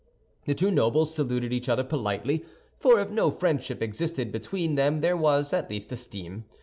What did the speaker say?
The two nobles saluted each other politely, for if no friendship existed between them, there was at least esteem.